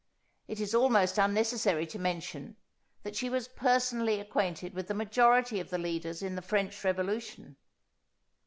It is almost unnecessary to mention, that she was personally acquainted with the majority of the leaders in the French revolution.